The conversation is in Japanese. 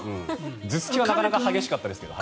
頭突きはなかなか激しかったですけど。